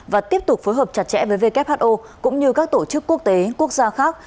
và tiếp tục phối hợp chặt chẽ với who cũng như các tổ chức quốc tế quốc gia khác